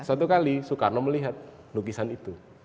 satu kali soekarno melihat lukisan itu